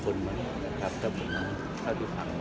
เออรวมลงท่านครับเพราะว่าเท่า